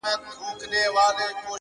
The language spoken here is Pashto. وربــاندي نــه وركوم ځــان مــلــگــرو.!